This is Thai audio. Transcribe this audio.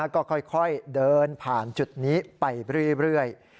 ก็ค่อยเดินผ่านจุดนี้ไปเรื่อย